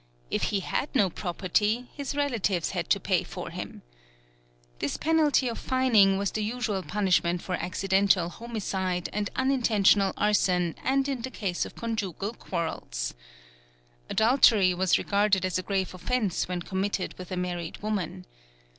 If he had no property, his relatives had to pay for him. This penalty of fining was the usual punishment for accidental homicide and unintentional arson and in the case of conjugal quarrels. Adultery was regarded as a grave offence when committed with a married woman.